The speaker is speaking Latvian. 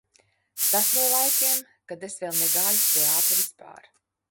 Tas no laikiem, kad es vēl negāju uz teātri vispār.